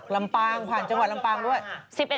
ลำปางผ่านจังหวัดลำปางด้วย